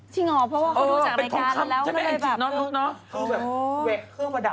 จริงเหรอเพราะว่าเขารู้จักรายการแล้วแล้วก็เลยแบบ